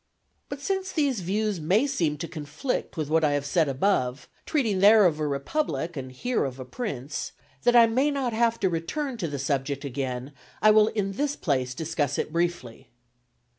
But since these views may seem to conflict with what I have said above, treating there of a republic and here of a prince, that I may not have to return to the subject again, I will in this place discuss it briefly.